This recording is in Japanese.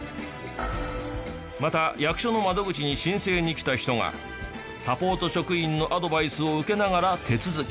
また役所の窓口に申請に来た人がサポート職員のアドバイスを受けながら手続き。